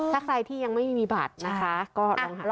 ถ้าใครที่ยังไม่มีบัตรนะคะก็ลองหาดู